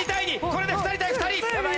これで２人対２人。